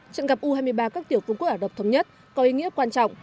trận gặp u hai mươi ba các tiểu quân quốc ả độc thống nhất có ý nghĩa quan trọng